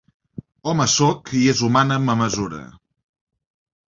Home soc, i és humana ma mesura.